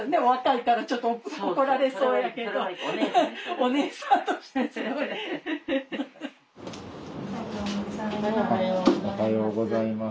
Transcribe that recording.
おはようございます。